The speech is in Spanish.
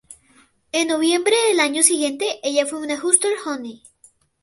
En noviembre del año siguiente, ella fue una Hustler Honey.